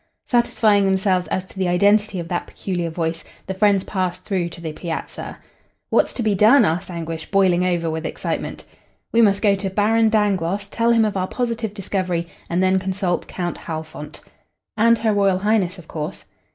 Satisfying themselves as to the identity of that peculiar voice, the friends passed through to the piazza. "What's to be done?" asked Anguish, boiling over with excitement. "We must go to Baron Dangloss, tell him of our positive discovery, and then consult Count Halfont." "And Her Royal Highness, of course."